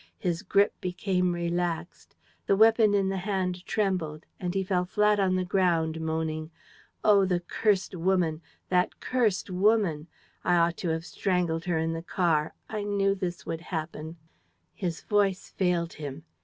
His grip became relaxed. The weapon in the hand trembled and he fell flat on the ground, moaning: "Oh, the cursed woman! ... That cursed woman! ... I ought to have strangled her in the car. ... I knew this would happen. ..." His voice failed him.